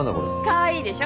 かわいいでしょ？